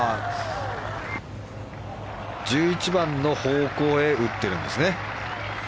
１１番の方向へ打っているんですね。